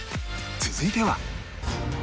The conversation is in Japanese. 続いては